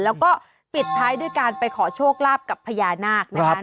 แล้วก็ปิดท้ายด้วยการไปขอโชคลาภกับพญานาคนะคะ